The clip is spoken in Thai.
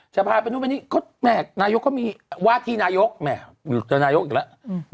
จะพาไปนู่นไปนี่ก็แม่นายกก็มีวาธินายกแม่วาธินายกอีกแล้ว